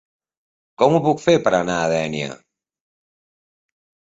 Com ho puc fer per anar a Dénia?